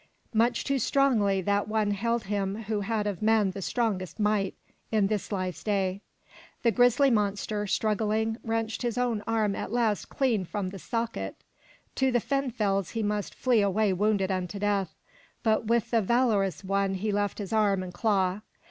Much too strongly that one held him who had of men the strongest might in this life's day. The grisly monster, struggling, wrenched his own arm at last clean from the socket. To the fen fells he must flee away wounded unto death, but with the valorous one he left his arm and claw.